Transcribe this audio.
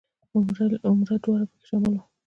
عمره دواړه په کې شامل وو.